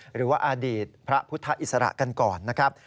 หรือว่าอดีตพระพุทธอิสระกันก่อนนะครับ